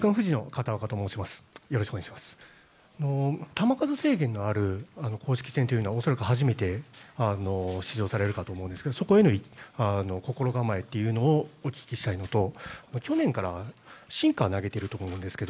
球数制限のある公式戦は恐らく初めて出場されると思いますがそこへの心構えをお聞きしたいのと去年からシンカーを投げていると思うんですが